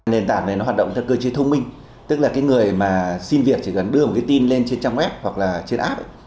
nền tảng này nó hoạt động theo cơ chế thông minh tức là cái người mà xin việc chỉ cần đưa một cái tin lên trên trang web hoặc là trên app